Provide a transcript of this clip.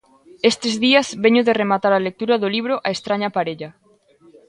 Estes días veño de rematar a lectura do libro A estraña parella.